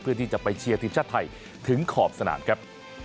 เพื่อที่จะไปเชียร์ทีมชาติไทยถึงขอบสนามครับ